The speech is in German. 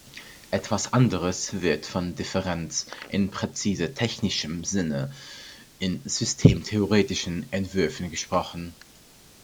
Etwas anders wird von „Differenz“ in präzise technischem Sinn in systemtheoretischen Entwürfen gesprochen.